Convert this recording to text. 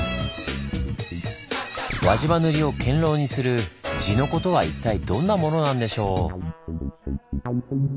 輪島塗を堅牢にする「地の粉」とは一体どんなものなんでしょう？